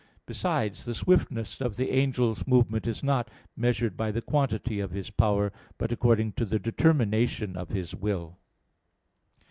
Besides, the swiftness of the angel's movement is not measured by the quantity of his power, but according to the determination of his will.